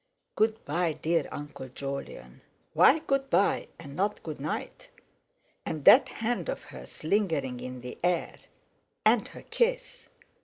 "Good bye, dear Uncle Jolyon." Why "Good bye" and not "Good night". And that hand of hers lingering in the air. And her kiss.